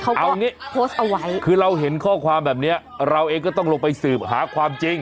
เอางี้โพสต์เอาไว้คือเราเห็นข้อความแบบเนี้ยเราเองก็ต้องลงไปสืบหาความจริง